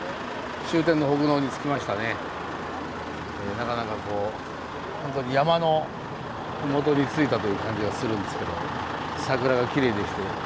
なかなかこうホントに山の麓に着いたという感じがするんですけど桜がきれいです。